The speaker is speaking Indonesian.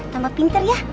tambah pintar ya